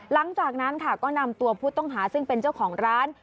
หลังจากนั้นค่ะก็นำตัวผู้ต้องหาซึ่งเป็นเจ้าของร้าน